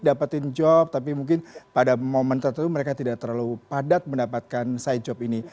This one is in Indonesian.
dapatin job tapi mungkin pada momen tertentu mereka tidak terlalu padat mendapatkan side job ini